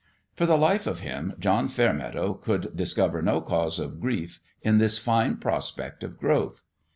For the life of him, John Fairmeadow could discover no cause of grief in this fine prospect of growth.